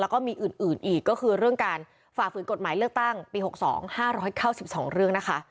แล้วก็มีอื่นอีกก็คือเรื่องการฝ่าฝืนกฎหมายเลือกตั้งปี๖๒๕๙๒เรื่องนะคะ